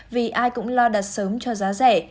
vì ai cũng lo đặt sớm cho giá rẻ